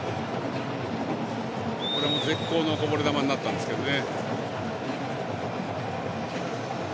これも絶好のこぼれ球になったんですけどね。